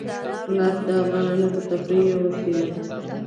نفت د افغانانو د تفریح یوه وسیله ده.